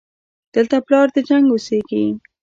دلته پلار د جنګ اوسېږي